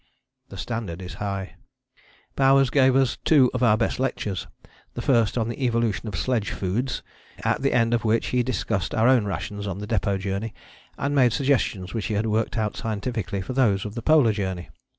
" The standard is high. [Illustration: FROZEN SEA AND CLIFFS OF ICE] Bowers gave us two of our best lectures, the first on the Evolution of Sledge Foods, at the end of which he discussed our own rations on the Depôt Journey, and made suggestions which he had worked out scientifically for those of the Polar Journey.